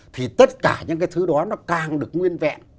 thì tất cả những cái thứ đó nó càng được nguyên vẹn